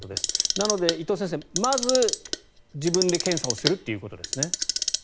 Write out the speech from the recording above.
なので、伊藤先生まず自分で検査をするということですね。